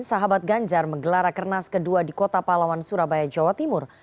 sahabat ganjar menggelar rakenas ke dua di kota palawan surabaya jawa timur